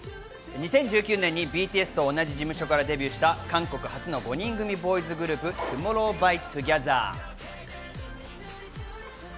２０１９年にＢＴＳと同じ事務所からデビューした韓国初の５人組ボーイズグループ、ＴＯＭＯＲＲＯＷＸＴＯＧＥＴＨＥＲ。